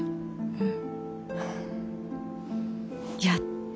うん。